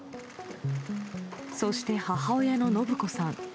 そして、母親の延子さん。